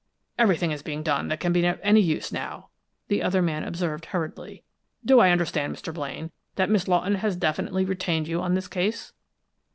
"Everything is being done that can be of any use now," the other man observed hurriedly. "Do I understand, Mr. Blaine, that Miss Lawton has definitely retained you on this case?"